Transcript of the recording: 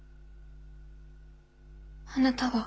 あなたは。